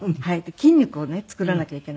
筋肉をね作らなきゃいけない。